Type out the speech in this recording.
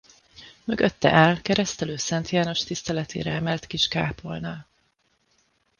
Mögötte áll Keresztelő Szent János tiszteletére emelt kis kápolna.